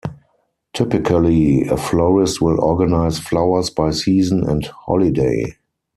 Typically, a florist will organize flowers by season and holiday.